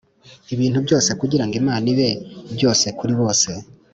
ibintu byose kugira ngo Imana ibe byose kuri bose